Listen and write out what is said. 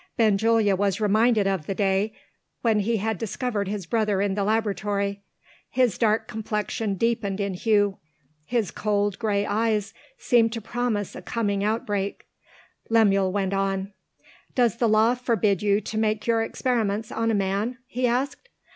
Benjulia was reminded of the day when he had discovered his brother in the laboratory. His dark complexion deepened in hue. His cold gray eyes seemed to promise a coming outbreak. Lemuel went on. "Does the Law forbid you to make your experiments on a man?" he asked.